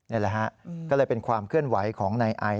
นี่แหละฮะก็เลยเป็นความเคลื่อนไหวของนายไอ